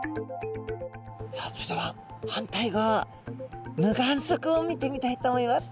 さあそれでは反対側無眼側を見てみたいと思います。